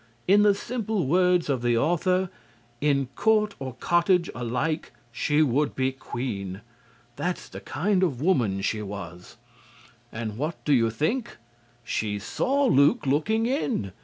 In the simple words of the author, "in court or cottage alike she would be queen." That's the kind of woman she was. And what do you think? She saw Luke looking in.